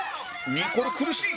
ニコル苦しい！